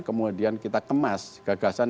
kemudian kita kemas gagasan